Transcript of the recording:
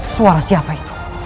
suara siapa itu